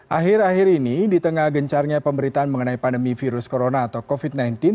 akhir akhir ini di tengah gencarnya pemberitaan mengenai pandemi virus corona atau covid sembilan belas